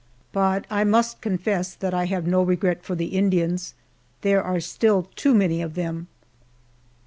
But I must confess that I have no regret for the Indians there are still too many of them!